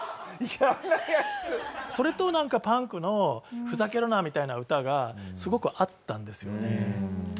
それとパンクの「ふざけるな！」みたいな歌がすごく合ったんですよね。